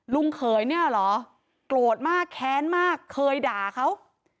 เขยเนี่ยเหรอโกรธมากแค้นมากเคยด่าเขา